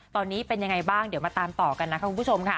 ตอนนี้เป็นยังไงบ้างเดี๋ยวมาตามต่อกันนะคะคุณผู้ชมค่ะ